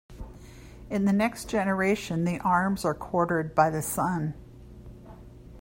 In the next generation the arms are quartered by the son.